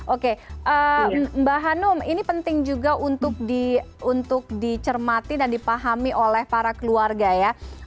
oke mbak hanum ini penting juga untuk dicermati dan dipahami oleh para keluarga ya